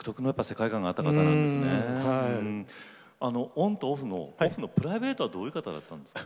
オンとオフのプライベートはどういう方だったんですか？